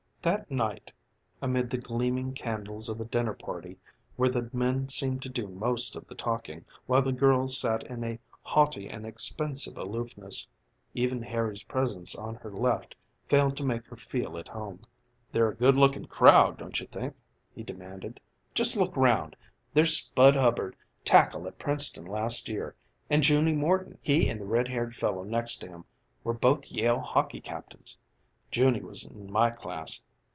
That night, amid the gleaming candles of a dinner party, where the men seemed to do most of the talking while the girls sat in a haughty and expensive aloofness, even Harry's presence on her left failed to make her feel at home. "They're a good looking crowd, don't you think?" he demanded. "Just look round. There's Spud Hubbard, tackle at Princeton last year, and Junie Morton he and the red haired fellow next to him were both Yale hockey captains; Junie was in my class.